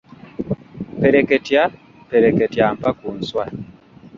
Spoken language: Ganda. Ppereketya ppereketya mpa ku nswa.